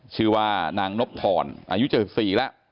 ชื่อว่านางนบทรอายุ๗๔แล้ว